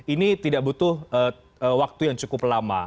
ini tidak butuh waktu yang cukup lama